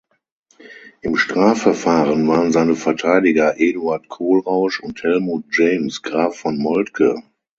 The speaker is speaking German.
Im Strafverfahren waren seine Verteidiger Eduard Kohlrausch und Helmuth James Graf von Moltke.